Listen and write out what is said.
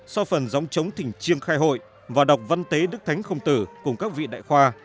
so phần giống chống thỉnh chiêng khai hội và đọc văn tế đức thánh khổng tử cùng các vị đại khoa